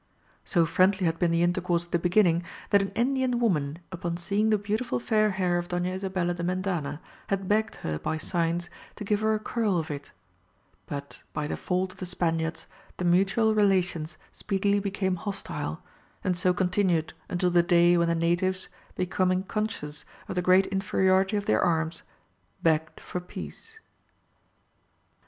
So friendly had been the intercourse at the beginning, that an Indian woman upon seeing the beautiful fair hair of Doña Isabella de Mendana had begged her by signs to give her a curl of it; but by the fault of the Spaniards the mutual relations speedily became hostile, and so continued until the day when the natives, becoming conscious of the great inferiority of their arms, begged for peace.